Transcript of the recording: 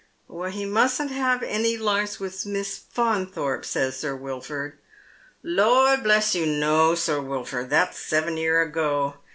" He mustn't have any larks with Miss Faunthorpe," says Sir Wilford. " Lor, bless you, no. Sir Wilford, that's seven year ago.